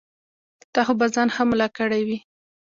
تا خو به ځان ښه ملا کړی وي.